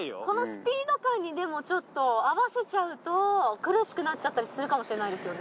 このスピード感にでもちょっと合わせちゃうと苦しくなっちゃったりするかも。